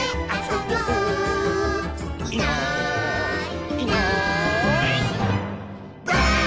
「いないいないばあっ！」